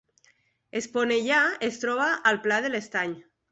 Esponellà es troba al Pla de l’Estany